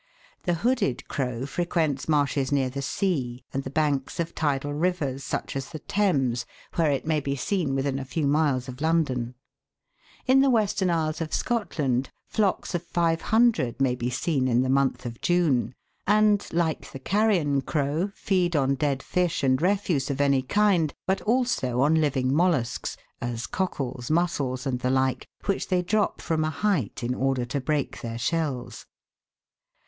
The hooded crow frequents marshes near the sea, and the banks of tidal rivers, such as the Thames, where it may be seen within a few miles of London. In the western isles of Scotland flocks of five hundred may be seen in the month of June, and, like the carrion crow, feed on dead fish and refuse of any kind, but also on living mollusks as cockles, mussels, and the like, which they drop from a height, in order to break their shells.